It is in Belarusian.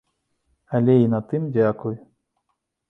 Але і на тым дзякуй!